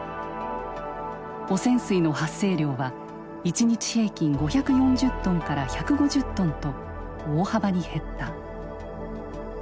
汚染水の発生量は一日平均５４０トンから１５０トンと大幅に減った。